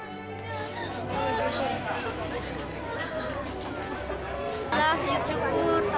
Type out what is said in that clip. selamat siang syukur